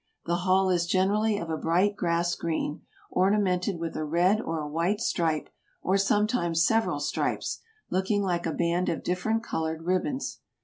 The hull is generally of a bright grass green, ornamented with a red or a white stripe, or sometimes several stripes, looking like a band of different colored ribbons.